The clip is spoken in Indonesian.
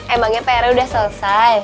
emangnya pr udah selesai